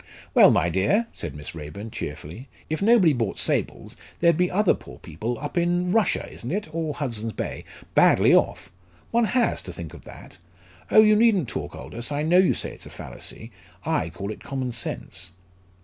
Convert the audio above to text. "Well, my dear," said Miss Raeburn, cheerfully, "if nobody bought sables, there'd be other poor people up in Russia, isn't it? or Hudson's Bay? badly off. One has, to think of that. Oh, you needn't talk, Aldous! I know you say it's a fallacy. I call it common sense."